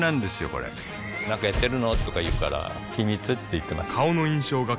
これなんかやってるの？とか言うから秘密って言ってます